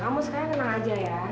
kamu sekalian tenang aja ya